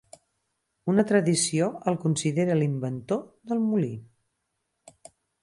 Una tradició el considera l'inventor del molí.